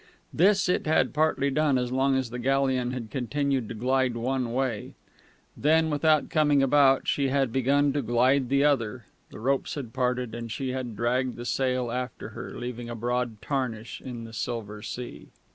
This it had partly done as long as the galleon had continued to glide one way; then, without coming about, she had begun to glide the other, the ropes had parted, and she had dragged the sail after her, leaving a broad tarnish on the silver sea.